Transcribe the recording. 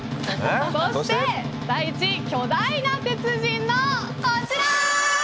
そして第１位巨大な鉄人のこちら！